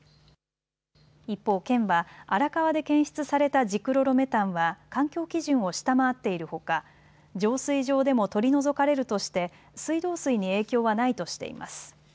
一方、県は荒川で検出されたジクロロメタンは環境基準を下回っているほか、浄水場でも取り除かれるとして水道水に影響はないとしています。